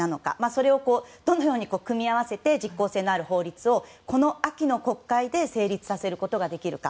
それをどのように組み合わせて実効性のある法律をこの秋の国会で成立させることができるか。